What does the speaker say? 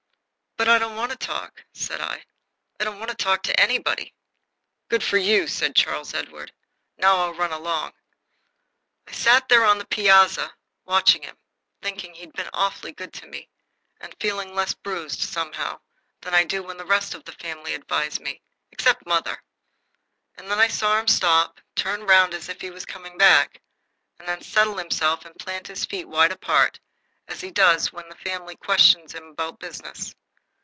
"But I don't want to talk," said I. "I don't want to talk to anybody." "Good for you," said Charles Edward. "Now I'll run along." I sat there on the piazza watching him, thinking he'd been awfully good to me, and feeling less bruised, somehow, than I do when the rest of the family advise me except mother! And I saw him stop, turn round as if he were coming back, and then settle himself and plant his feet wide apart, as he does when the family question him about business.